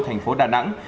thành phố đà nẵng